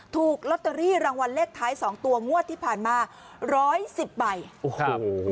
ถูกลอตเตอรี่รางวัลเลขท้ายสองตัวงวดที่ผ่านมาร้อยสิบใบโอ้โห